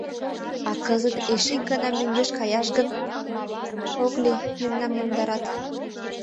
«А кызыт эше ик гана мӧҥгеш каяш гын?» «Ок лий, мемнам йомдарат».